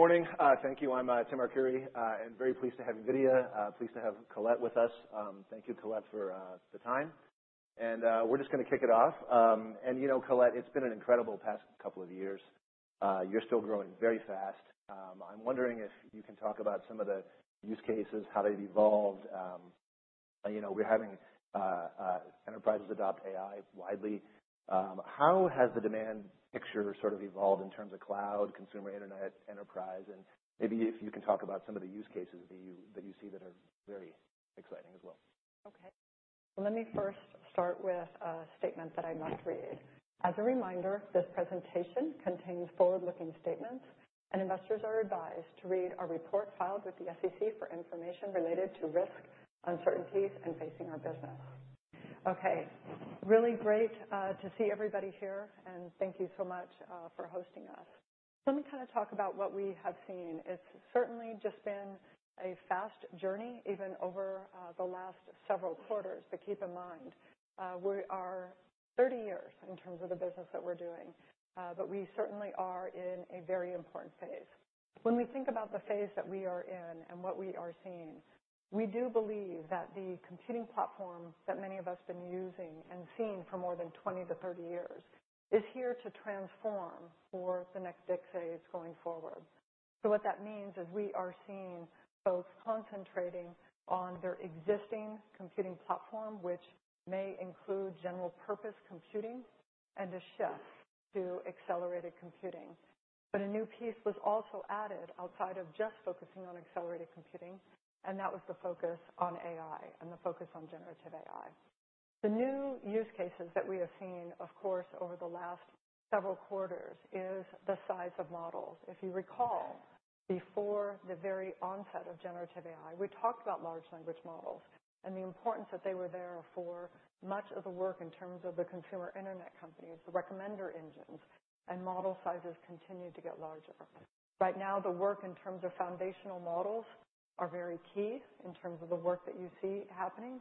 Morning. Thank you. I'm Timothy Arcuri, and very pleased to have NVIDIA pleased to have Colette with us. Thank you, Colette, for the time. We're just gonna kick it off. You know, Colette, it's been an incredible past couple of years. You're still growing very fast. I'm wondering if you can talk about some of the use cases, how they've evolved. You know, we're having enterprises adopt AI widely. How has the demand picture sort of evolved in terms of cloud, consumer internet, enterprise? And maybe if you can talk about some of the use cases that you see that are very exciting as well. Okay. Well, let me first start with a statement that I must read. As a reminder, this presentation contains forward-looking statements, and investors are advised to read our report filed with the SEC for information related to risks, uncertainties, and factors facing our business. Okay. Really great to see everybody here, and thank you so much for hosting us. Let me kinda talk about what we have seen. It's certainly just been a fast journey even over the last several quarters. But keep in mind, we are 30 years in terms of the business that we're doing. But we certainly are in a very important phase. When we think about the phase that we are in and what we are seeing, we do believe that the computing platform that many of us have been using and seeing for more than 20-30 years is here to transform for the next decades going forward. So what that means is we are seeing folks concentrating on their existing computing platform, which may include general-purpose computing and a shift to accelerated computing. But a new piece was also added outside of just focusing on accelerated computing, and that was the focus on AI and the focus on Generative AI. The new use cases that we have seen, of course, over the last several quarters is the size of models. If you recall, before the very onset of Generative AI, we talked about large language models and the importance that they were there for much of the work in terms of the consumer internet companies, the recommender engines, and model sizes continue to get larger. Right now, the work in terms of foundational models is very key in terms of the work that you see happening,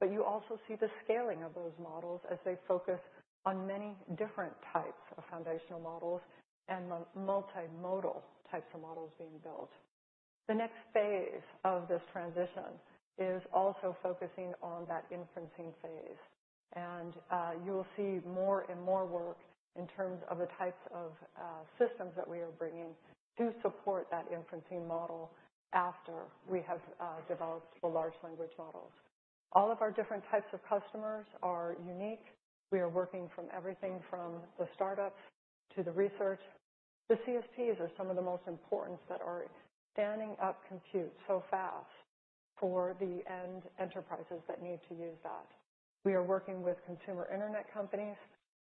but you also see the scaling of those models as they focus on many different types of foundational models and multimodal types of models being built. The next phase of this transition is also focusing on that inferencing phase, and you will see more and more work in terms of the types of systems that we are bringing to support that inferencing model after we have developed the large language models. All of our different types of customers are unique. We are working from everything from the startups to the research. The CSPs are some of the most important that are standing up compute so fast for the end enterprises that need to use that. We are working with consumer internet companies,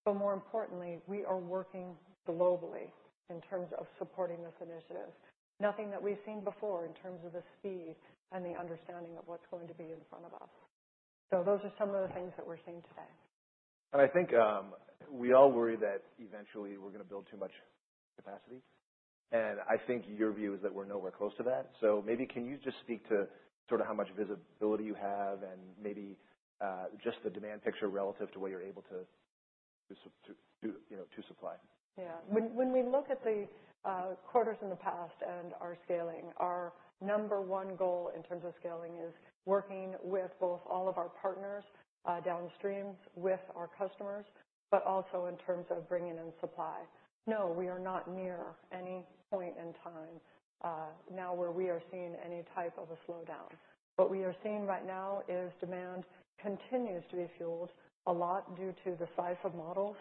but more importantly, we are working globally in terms of supporting this initiative. Nothing that we've seen before in terms of the speed and the understanding of what's going to be in front of us, so those are some of the things that we're seeing today. I think we all worry that eventually we're gonna build too much capacity. I think your view is that we're nowhere close to that. Maybe can you just speak to sort of how much visibility you have and maybe just the demand picture relative to what you're able to, you know, to supply? Yeah. When we look at the quarters in the past and our scaling, our number one goal in terms of scaling is working with both all of our partners, downstream with our customers, but also in terms of bringing in supply. No, we are not near any point in time now where we are seeing any type of a slowdown. What we are seeing right now is demand continues to be fueled a lot due to the size of models,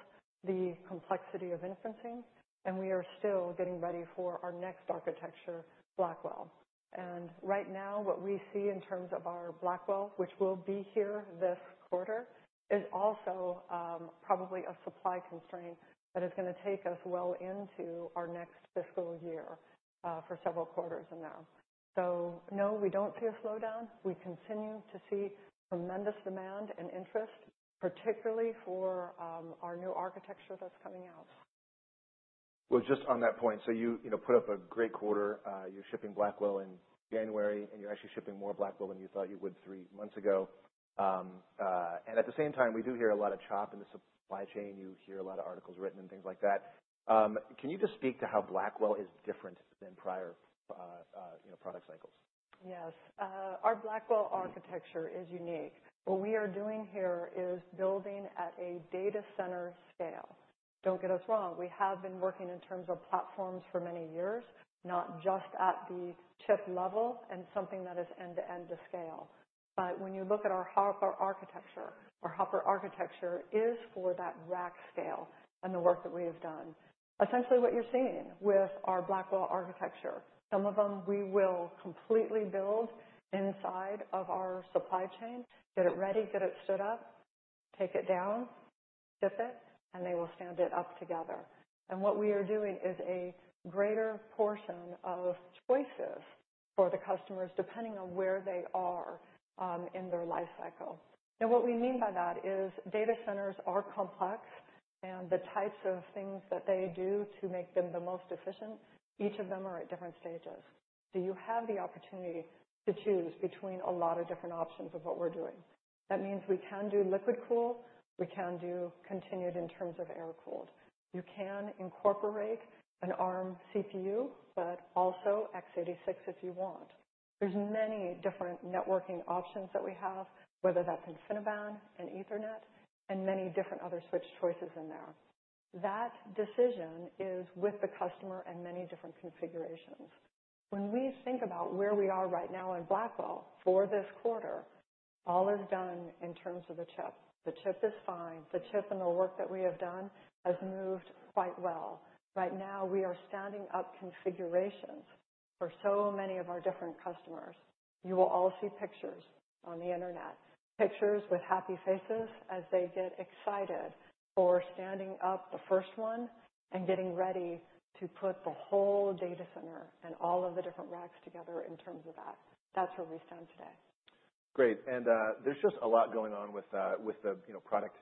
the complexity of inferencing, and we are still getting ready for our next architecture, Blackwell, and right now, what we see in terms of our Blackwell, which will be here this quarter, is also probably a supply constraint that is gonna take us well into our next fiscal year, for several quarters from now, so no, we don't see a slowdown. We continue to see tremendous demand and interest, particularly for our new architecture that's coming out. Just on that point, so you know, put up a great quarter. You're shipping Blackwell in January, and you're actually shipping more Blackwell than you thought you would three months ago. At the same time, we do hear a lot of chop in the supply chain. You hear a lot of articles written and things like that. Can you just speak to how Blackwell is different than prior, you know, product cycles? Yes. Our Blackwell architecture is unique. What we are doing here is building at a data center scale. Don't get us wrong. We have been working in terms of platforms for many years, not just at the chip level and something that is end-to-end to scale. But when you look at our Hopper architecture, our Hopper architecture is for that rack scale and the work that we have done. Essentially, what you're seeing with our Blackwell architecture, some of them we will completely build inside of our supply chain, get it ready, get it stood up, take it down, ship it, and they will stand it up together. And what we are doing is a greater portion of choices for the customers depending on where they are, in their life cycle. Now, what we mean by that is data centers are complex, and the types of things that they do to make them the most efficient, each of them are at different stages. So you have the opportunity to choose between a lot of different options of what we're doing. That means we can do liquid cooling. We can do convection in terms of air-cooled. You can incorporate an ARM CPU, but also x86 if you want. There's many different networking options that we have, whether that's InfiniBand and Ethernet and many different other switch choices in there. That decision is with the customer and many different configurations. When we think about where we are right now in Blackwell for this quarter, all is done in terms of the chip. The chip is fine. The chip and the work that we have done has moved quite well. Right now, we are standing up configurations for so many of our different customers. You will all see pictures on the internet, pictures with happy faces as they get excited for standing up the first one and getting ready to put the whole data center and all of the different racks together in terms of that. That's where we stand today. Great. There's just a lot going on with the, you know, product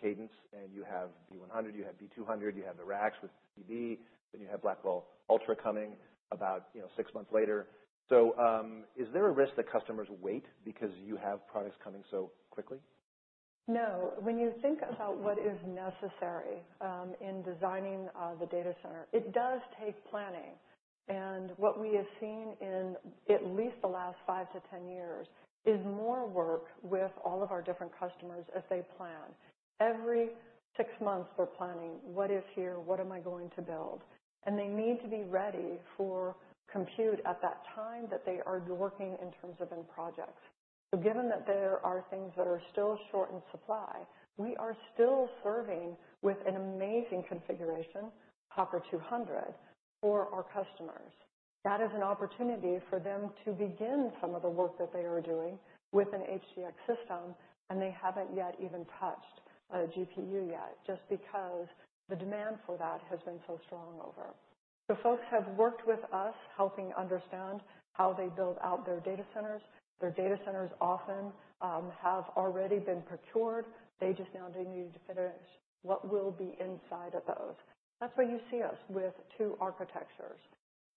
cadence. You have B100, you have B200, you have the racks with GB, then you have Blackwell Ultra coming about, you know, six months later. So, is there a risk that customers wait because you have products coming so quickly? No. When you think about what is necessary in designing the data center, it does take planning. What we have seen in at least the last five to 10 years is more work with all of our different customers as they plan. Every six months, they're planning, "What is here? What am I going to build?" They need to be ready for compute at that time that they are working in terms of in projects. Given that there are things that are still short in supply, we are still serving with an amazing configuration, Hopper 200, for our customers. That is an opportunity for them to begin some of the work that they are doing with an HGX system, and they haven't yet even touched GPU yet just because the demand for that has been so strong over. So folks have worked with us helping understand how they build out their data centers. Their data centers often have already been procured. They just now need to finish what will be inside of those. That's why you see us with two architectures.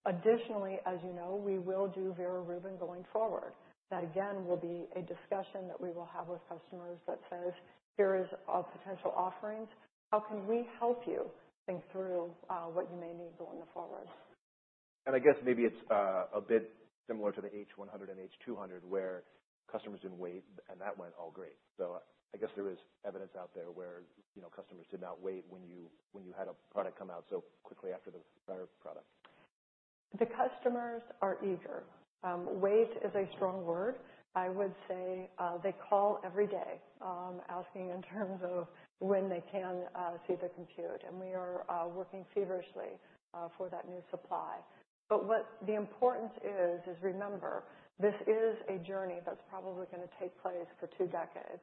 Additionally, as you know, we will do Vera Rubin going forward. That, again, will be a discussion that we will have with customers that says, "Here is our potential offerings. How can we help you think through what you may need going forward? I guess maybe it's a bit similar to the H100 and H200 where customers didn't wait, and that went all great. I guess there is evidence out there where, you know, customers did not wait when you had a product come out so quickly after the prior product. The customers are eager. Wait is a strong word. I would say, they call every day, asking in terms of when they can see the compute. And we are working feverishly for that new supply. But what the importance is is, remember, this is a journey that's probably gonna take place for two decades.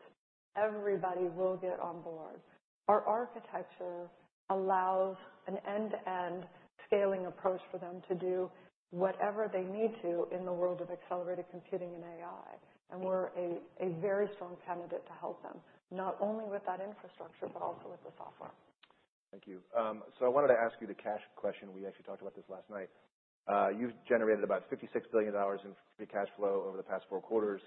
Everybody will get on board. Our architecture allows an end-to-end scaling approach for them to do whatever they need to in the world of accelerated computing and AI. And we're a very strong candidate to help them not only with that infrastructure but also with the software. Thank you. So I wanted to ask you the cash question. We actually talked about this last night. You've generated about $56 billion in free cash flow over the past four quarters.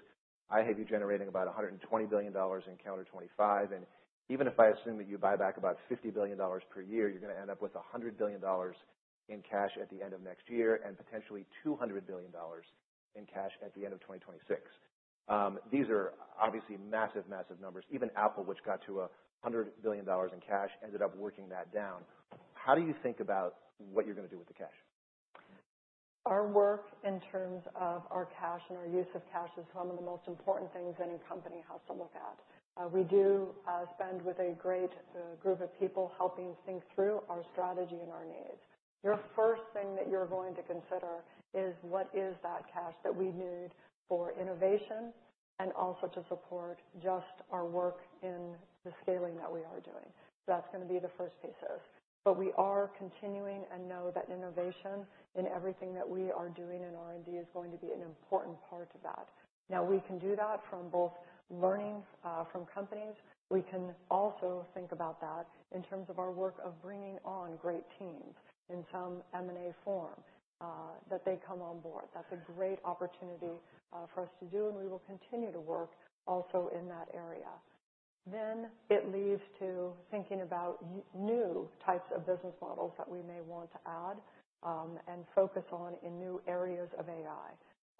I have you generating about $120 billion in calendar 2025. And even if I assume that you buy back about $50 billion per year, you're gonna end up with $100 billion in cash at the end of next year and potentially $200 billion in cash at the end of 2026. These are obviously massive, massive numbers. Even Apple, which got to $100 billion in cash, ended up working that down. How do you think about what you're gonna do with the cash? Our work in terms of our cash and our use of cash is some of the most important things any company has to look at. We do spend with a great group of people helping think through our strategy and our needs. The first thing that you're going to consider is, "What is that cash that we need for innovation and also to support just our work in the scaling that we are doing?" That's gonna be the first pieces. But we are continuing and know that innovation in everything that we are doing in R&D is going to be an important part of that. Now, we can do that from both learning from companies. We can also think about that in terms of our work of bringing on great teams in some M&A form, that they come on board. That's a great opportunity for us to do, and we will continue to work also in that area. Then it leads to thinking about new types of business models that we may want to add and focus on in new areas of AI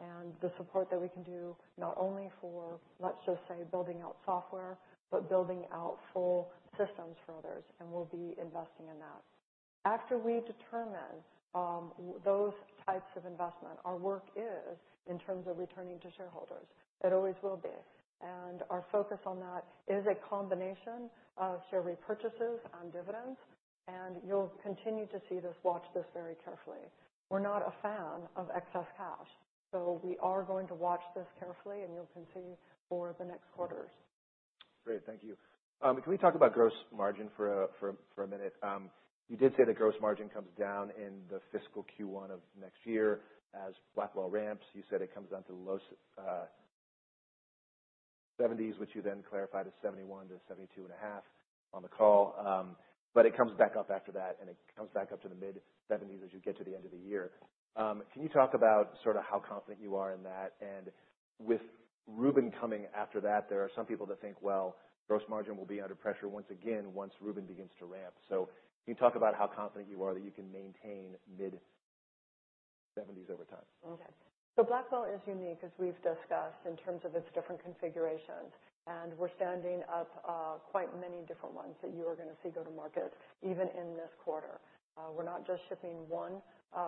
and the support that we can do not only for, let's just say, building out software but building out full systems for others. And we'll be investing in that. After we determine those types of investment, our work is in terms of returning to shareholders. It always will be. And our focus on that is a combination of share repurchases and dividends. And you'll continue to see this. Watch this very carefully. We're not a fan of excess cash. So we are going to watch this carefully, and you'll continue for the next quarters. Great. Thank you. Can we talk about gross margin for a minute? You did say the gross margin comes down in the fiscal Q1 of next year as Blackwell ramps. You said it comes down to low 70s, which you then clarified as 71%-72.5% on the call. But it comes back up after that, and it comes back up to the mid-70s as you get to the end of the year. Can you talk about sort of how confident you are in that? And with Rubin coming after that, there are some people that think, "Well, gross margin will be under pressure once again once Rubin begins to ramp." So can you talk about how confident you are that you can maintain mid-70s over time? Okay. Blackwell is unique, as we've discussed, in terms of its different configurations. We're standing up quite many different ones that you are gonna see go to market even in this quarter. We're not just shipping one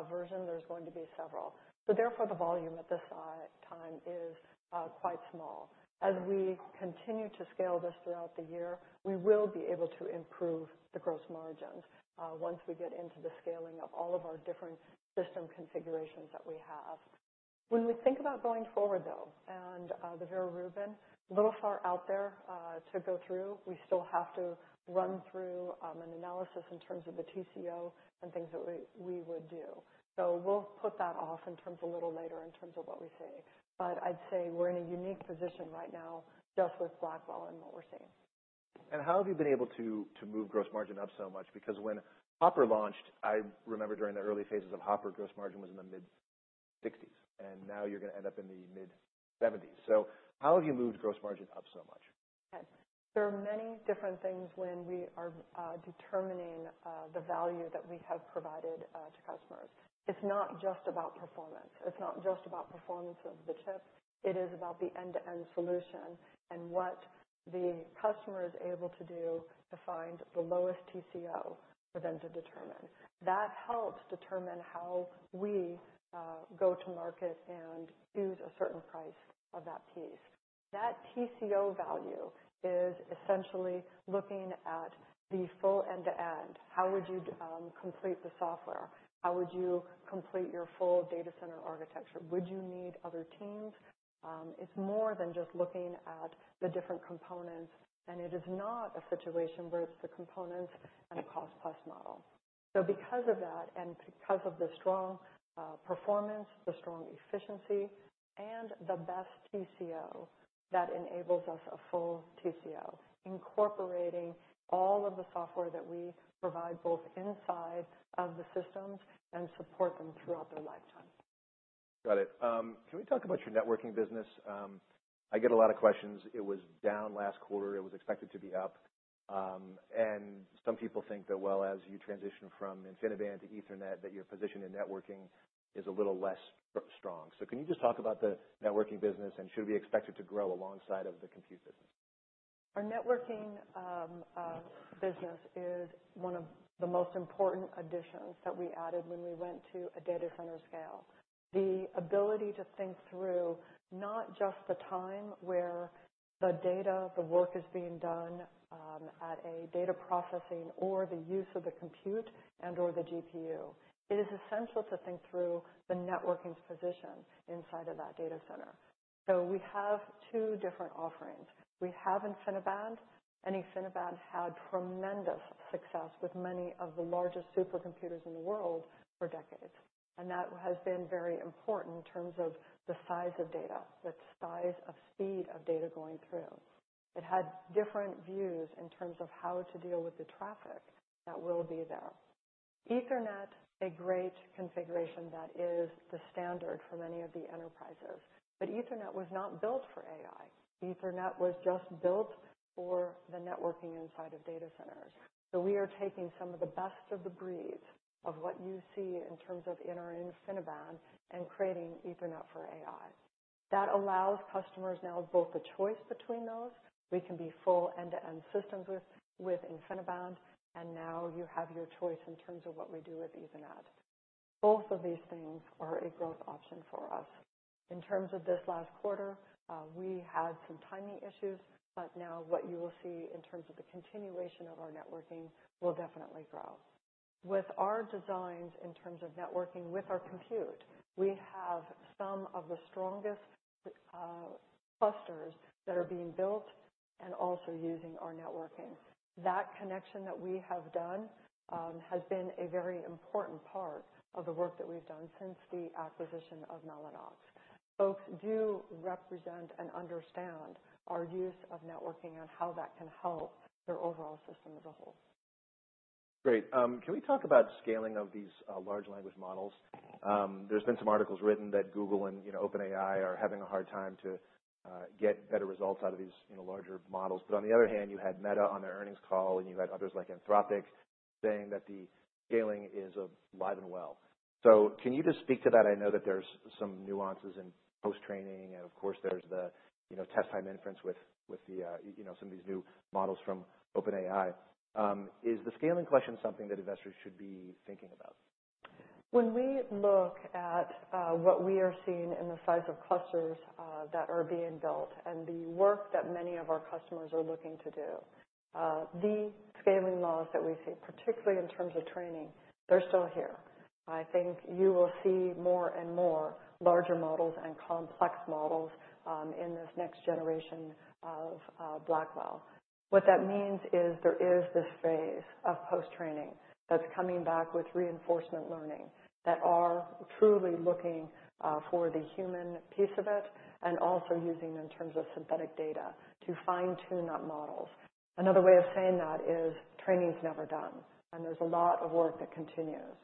version. There's going to be several. Therefore, the volume at this time is quite small. As we continue to scale this throughout the year, we will be able to improve the gross margins once we get into the scaling of all of our different system configurations that we have. When we think about going forward, though, and the Vera Rubin, a little far out there to go through, we still have to run through an analysis in terms of the TCO and things that we would do. We'll put that off in terms a little later in terms of what we see. But I'd say we're in a unique position right now just with Blackwell and what we're seeing. How have you been able to move gross margin up so much? Because when Hopper launched, I remember during the early phases of Hopper, gross margin was in the mid-60s. Now you're gonna end up in the mid-70s. How have you moved gross margin up so much? Okay. There are many different things when we are determining the value that we have provided to customers. It's not just about performance. It's not just about performance of the chip. It is about the end-to-end solution and what the customer is able to do to find the lowest TCO for them to determine. That helps determine how we go to market and choose a certain price of that piece. That TCO value is essentially looking at the full end-to-end. How would you complete the software? How would you complete your full data center architecture? Would you need other teams? It's more than just looking at the different components. It is not a situation where it's the components and the cost-plus model. So because of that and because of the strong performance, the strong efficiency, and the best TCO that enables us a full TCO, incorporating all of the software that we provide both inside of the systems and support them throughout their lifetime. Got it. Can we talk about your networking business? I get a lot of questions. It was down last quarter. It was expected to be up, and some people think that, well, as you transition from InfiniBand to Ethernet, that your position in networking is a little less strong. So can you just talk about the networking business and should we expect it to grow alongside of the compute business? Our networking business is one of the most important additions that we added when we went to a data center scale. The ability to think through not just the time where the data, the work is being done, at a data processing or the use of the compute and/or the GPU. It is essential to think through the networking's position inside of that data center. So we have two different offerings. We have InfiniBand, and InfiniBand had tremendous success with many of the largest supercomputers in the world for decades. And that has been very important in terms of the size of data, the size of speed of data going through. It had different views in terms of how to deal with the traffic that will be there. Ethernet, a great configuration that is the standard for many of the enterprises. But Ethernet was not built for AI. Ethernet was just built for the networking inside of data centers. So we are taking some of the best of the breeds of what you see in terms of our InfiniBand and creating Ethernet for AI. That allows customers now both the choice between those. We can be full end-to-end systems with InfiniBand. And now you have your choice in terms of what we do with Ethernet. Both of these things are a growth option for us. In terms of this last quarter, we had some timing issues, but now what you will see in terms of the continuation of our networking will definitely grow. With our designs in terms of networking with our compute, we have some of the strongest clusters that are being built and also using our networking. That connection that we have done, has been a very important part of the work that we've done since the acquisition of Mellanox. Folks do represent and understand our use of networking and how that can help their overall system as a whole. Great. Can we talk about scaling of these large language models? There's been some articles written that Google and, you know, OpenAI are having a hard time to get better results out of these, you know, larger models. But on the other hand, you had Meta on their earnings call, and you had others like Anthropic saying that the scaling is alive and well. So can you just speak to that? I know that there's some nuances in post-training, and of course, there's the, you know, test-time inference with the, you know, some of these new models from OpenAI. Is the scaling question something that investors should be thinking about? When we look at what we are seeing in the size of clusters that are being built and the work that many of our customers are looking to do, the scaling laws that we see, particularly in terms of training, they're still here. I think you will see more and more larger models and complex models in this next generation of Blackwell. What that means is there is this phase of post-training that's coming back with reinforcement learning that are truly looking for the human piece of it and also using in terms of synthetic data to fine-tune that models. Another way of saying that is training's never done, and there's a lot of work that continues.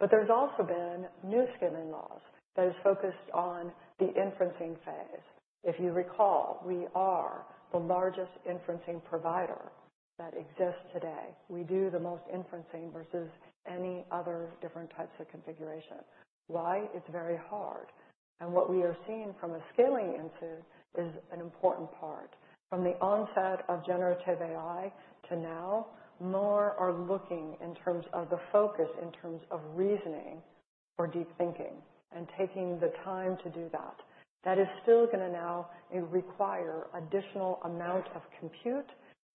But there's also been new scaling laws that have focused on the inferencing phase. If you recall, we are the largest inferencing provider that exists today. We do the most inferencing versus any other different types of configuration. Why? It's very hard, and what we are seeing from a scaling insight is an important part. From the onset of Generative AI to now, more are looking in terms of the focus in terms of reasoning or deep thinking and taking the time to do that. That is still gonna now require an additional amount of compute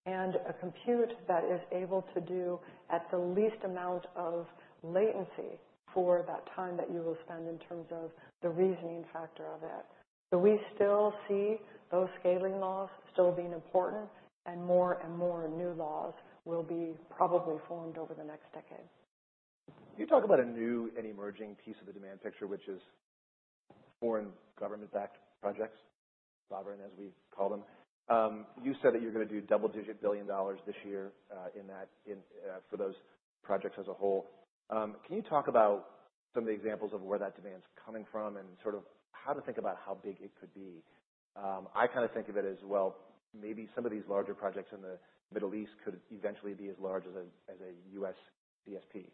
and a compute that is able to do at the least amount of latency for that time that you will spend in terms of the reasoning factor of it. So we still see those scaling laws still being important, and more and more new laws will be probably formed over the next decade. Can you talk about a new and emerging piece of the demand picture, which is foreign government-backed projects, Sovereign as we call them? You said that you're gonna do double-digit billion dollars this year, in that, for those projects as a whole. Can you talk about some of the examples of where that demand's coming from and sort of how to think about how big it could be? I kinda think of it as, well, maybe some of these larger projects in the Middle East could eventually be as large as a U.S. CSP.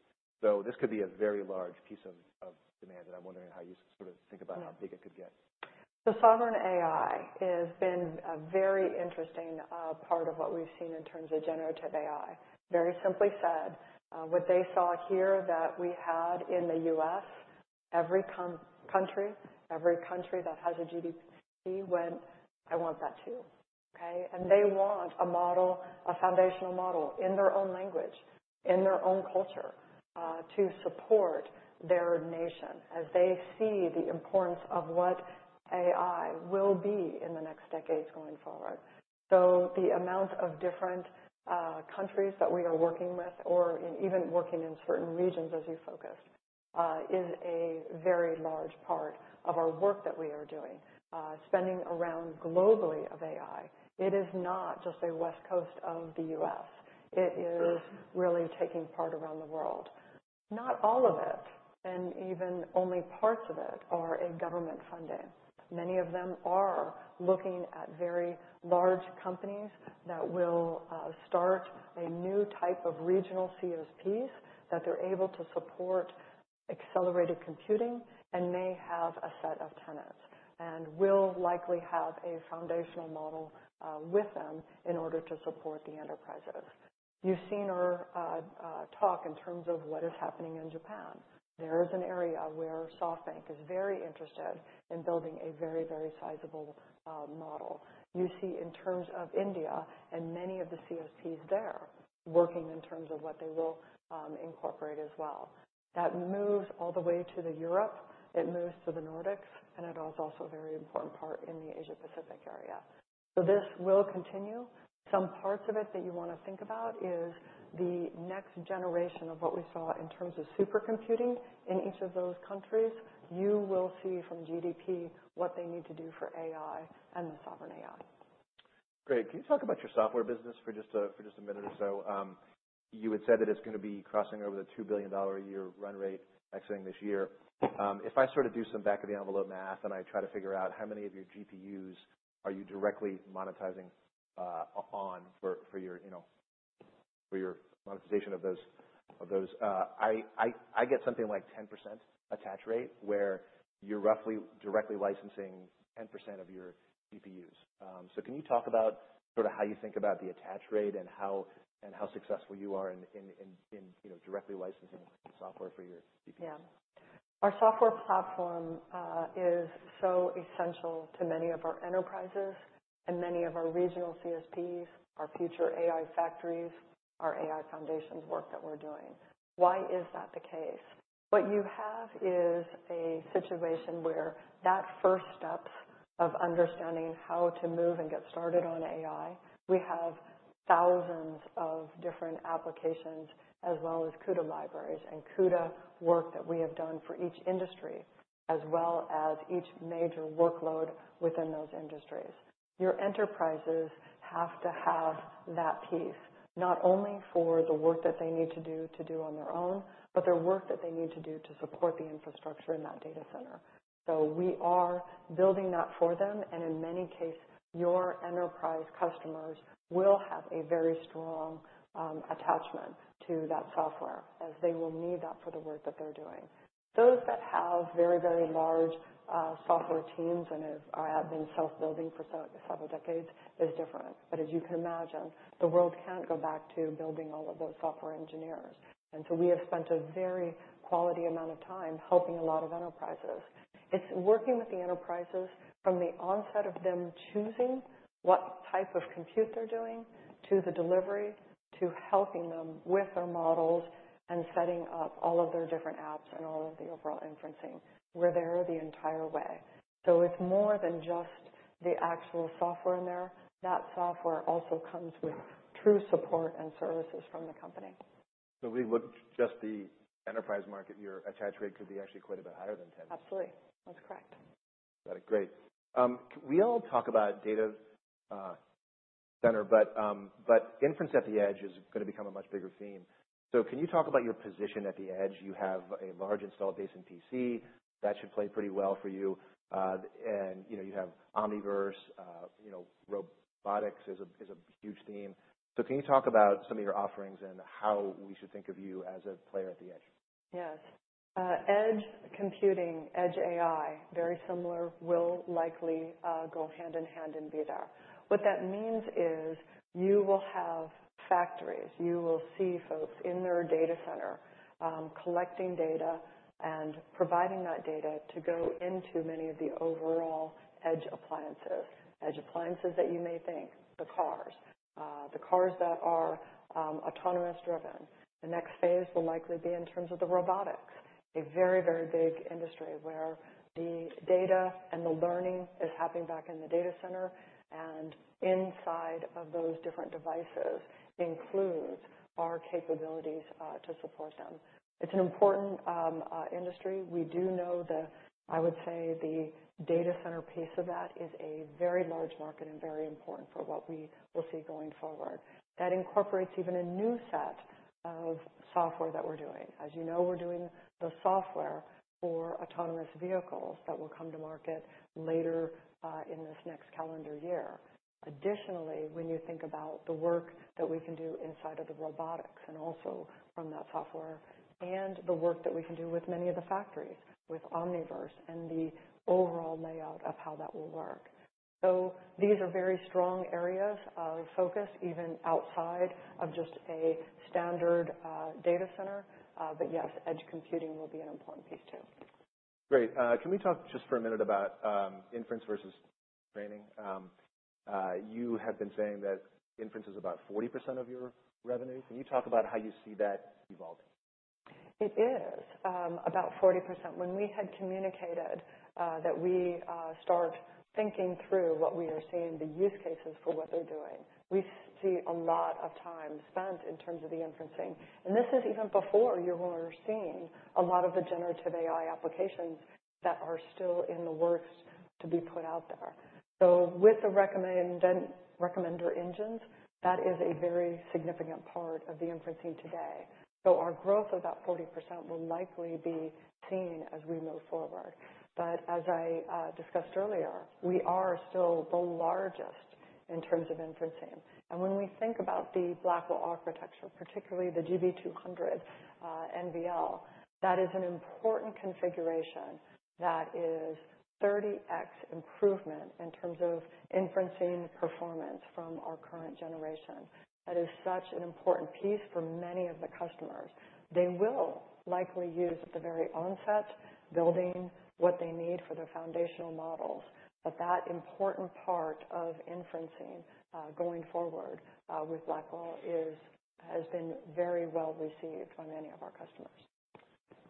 So this could be a very large piece of demand, and I'm wondering how you sort of think about how big it could get. The Sovereign AI has been a very interesting part of what we've seen in terms of Generative AI. Very simply said, what they saw here that we had in the U.S., every country that has a GDP went, "I want that too." Okay? And they want a model, a Foundational model in their own language, in their own culture, to support their nation as they see the importance of what AI will be in the next decades going forward. So the amount of different countries that we are working with or even working in certain regions as you focused is a very large part of our work that we are doing, expanding around globally in AI. It is not just the West Coast of the U.S. It is really taking place around the world. Not all of it, and even only parts of it, are government funded. Many of them are looking at very large companies that will start a new type of regional CSPs that they're able to support accelerated computing and may have a set of tenants and will likely have a foundational model with them in order to support the enterprises. You've seen our talk in terms of what is happening in Japan. There is an area where SoftBank is very interested in building a very, very sizable model. You see in terms of India and many of the CSPs there working in terms of what they will incorporate as well. That moves all the way to Europe. It moves to the Nordics, and it is also a very important part in the Asia-Pacific area, so this will continue. Some parts of it that you wanna think about is the next generation of what we saw in terms of supercomputing in each of those countries. You will see from GDP what they need to do for AI and the Sovereign AI. Great. Can you talk about your software business for just a minute or so? You had said that it's gonna be crossing over the $2 billion a year run rate exiting this year. If I sort of do some back-of-the-envelope math and I try to figure out how many of your GPUs are you directly monetizing on for your, you know, for your monetization of those, I get something like 10% attach rate where you're roughly directly licensing 10% of your GPUs. So can you talk about sort of how you think about the attach rate and how successful you are in you know directly licensing software for your GPUs? Yeah. Our software platform is so essential to many of our enterprises and many of our regional CSPs, our future AI factories, our AI foundations work that we're doing. Why is that the case? What you have is a situation where that first steps of understanding how to move and get started on AI, we have thousands of different applications as well as CUDA libraries and CUDA work that we have done for each industry as well as each major workload within those industries. Your enterprises have to have that piece not only for the work that they need to do on their own, but their work that they need to do to support the infrastructure in that data center, so we are building that for them. And in many cases, your enterprise customers will have a very strong attachment to that software as they will need that for the work that they're doing. Those that have very large software teams and have been self-building for several decades is different. But as you can imagine, the world can't go back to building all of those software engineers. And so we have spent a very quality amount of time helping a lot of enterprises. It's working with the enterprises from the onset of them choosing what type of compute they're doing to the delivery to helping them with their models and setting up all of their different apps and all of the overall inference. We're there the entire way. So it's more than just the actual software in there. That software also comes with true support and services from the company. So we look just the enterprise market, your attach rate could be actually quite a bit higher than 10. Absolutely. That's correct. Got it. Great. We all talk about data center, but inference at the Edge is gonna become a much bigger theme. So can you talk about your position at the Edge? You have a large installed base in PC. That should play pretty well for you. And, you know, you have Omniverse, you know, robotics is a huge theme. So can you talk about some of your offerings and how we should think of you as a player at the Edge? Yes. Edge Computing, Edge AI, very similar will likely go hand in hand and be there. What that means is you will have factories. You will see folks in their data center, collecting data and providing that data to go into many of the overall Edge appliances. Edge appliances that you may think, the cars, the cars that are autonomous driven. The next phase will likely be in terms of the robotics, a very, very big industry where the data and the learning is happening back in the data center and inside of those different devices includes our capabilities to support them. It's an important industry. We do know the, I would say, the data center piece of that is a very large market and very important for what we will see going forward. That incorporates even a new set of software that we're doing. As you know, we're doing the software for autonomous vehicles that will come to market later, in this next calendar year. Additionally, when you think about the work that we can do inside of the robotics and also from that software and the work that we can do with many of the factories with Omniverse and the overall layout of how that will work. So these are very strong areas of focus even outside of just a standard, data center. But yes, Edge Computing will be an important piece too. Great. Can we talk just for a minute about inference versus training? You have been saying that inference is about 40% of your revenue. Can you talk about how you see that evolving? It is about 40%. When we had communicated that we start thinking through what we are seeing the use cases for what they're doing, we see a lot of time spent in terms of the inferencing. And this is even before you were seeing a lot of the Generative AI applications that are still in the works to be put out there. So with the recommender engines, that is a very significant part of the inferencing today. So our growth of that 40% will likely be seen as we move forward. But as I discussed earlier, we are still the largest in terms of inferencing. And when we think about the Blackwell architecture, particularly the GB200 NVL, that is an important configuration that is 30x improvement in terms of inferencing performance from our current generation. That is such an important piece for many of the customers. They will likely use, at the very onset, building what they need for their foundational models. But that important part of inferencing, going forward, with Blackwell has been very well received by many of our customers.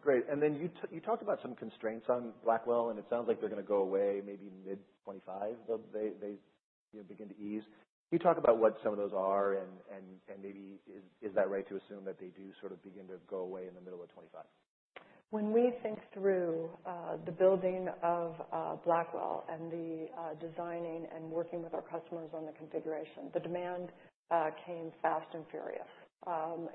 Great. And then you talked about some constraints on Blackwell, and it sounds like they're gonna go away maybe mid-2025. They begin to ease. Can you talk about what some of those are and maybe is that right to assume that they do sort of begin to go away in the middle of 2025? When we think through the building of Blackwell and the designing and working with our customers on the configuration, the demand came fast and furious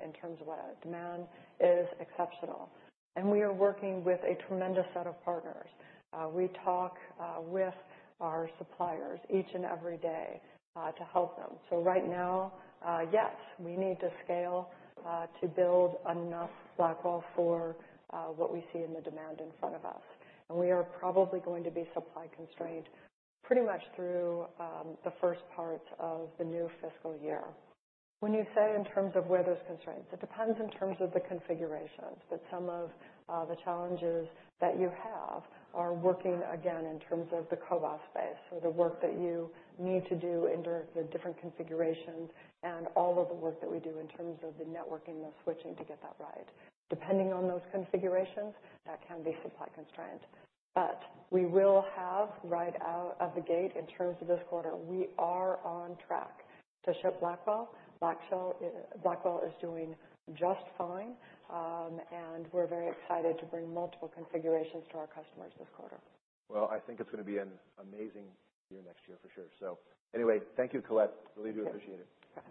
in terms of what demand is exceptional, and we are working with a tremendous set of partners. We talk with our suppliers each and every day to help them, so right now, yes, we need to scale to build enough Blackwell for what we see in the demand in front of us, and we are probably going to be supply constrained pretty much through the first part of the new fiscal year. When you say in terms of where those constraints, it depends in terms of the configurations, but some of the challenges that you have are working again in terms of the CoWoS space or the work that you need to do in the different configurations and all of the work that we do in terms of the networking and the switching to get that right. Depending on those configurations, that can be supply constrained. But we will have right out of the gate in terms of this quarter, we are on track to ship Blackwell. Blackwell, Blackwell is doing just fine. And we're very excited to bring multiple configurations to our customers this quarter. I think it's gonna be an amazing year next year for sure. Anyway, thank you, Colette. Really do appreciate it. Thanks.